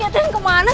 jangan ke sana